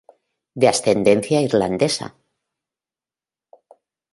De ascendencia irlandesa.